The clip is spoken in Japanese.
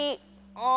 あ。